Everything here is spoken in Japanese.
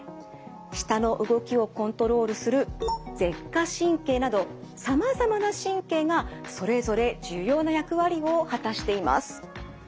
舌の動きをコントロールする「舌下神経」などさまざまな神経がそれぞれ重要な役割を果たしています。